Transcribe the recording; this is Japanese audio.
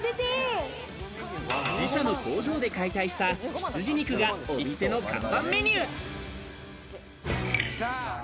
自社の工場で解体した羊肉がお店の看板メニュー。